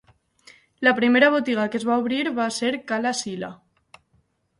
La primera botiga que es va obrir va ser Ca la Sila.